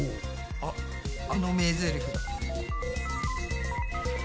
あっあの名ゼリフ。